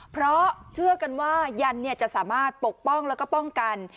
เพราะเชื่อกันว่ายันจะสามารถปกป้องแล้วก็ป้องกัน